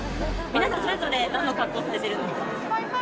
皆さんそれぞれなんの格好されてるんですか？